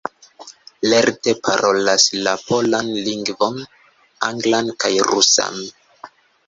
Lerte parolas la polan lingvon, anglan kaj rusan.